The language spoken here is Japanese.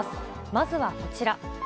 まずはこちら。